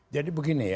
jadi begini ya